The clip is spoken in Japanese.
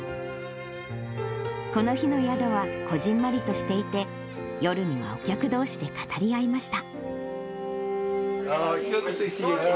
この日の宿は、こじんまりとしていて、夜にはお客どうしで語り合いました。